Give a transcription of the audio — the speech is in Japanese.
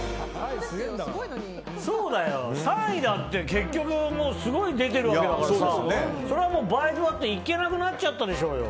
そうだよ、３位だって結局すごい出てるわけだからさそれはバイトだって行けなくなっちゃったでしょうよ。